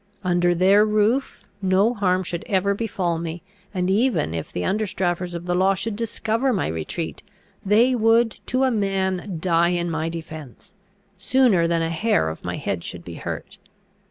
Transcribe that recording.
Under their roof no harm should ever befal me; and, even if the understrappers of the law should discover my retreat, they would to a man die in my defence, sooner than a hair of my head should be hurt.